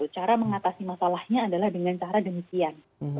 cara mengatasi masalahnya adalah dengan cara demikian